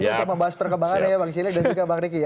kita membahas perkembangannya ya bang celi dan juga bang riki